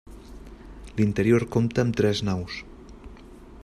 L'interior compta amb tres naus.